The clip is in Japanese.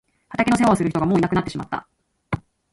畑の世話をする人がもういなくなってしまった。